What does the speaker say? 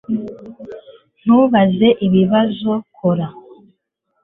Ntubaze ibibazo kora